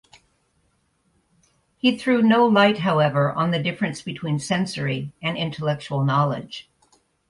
He threw no light, however, on the difference between sensory and intellectual knowledge.